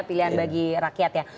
pilihan bagi rakyat ya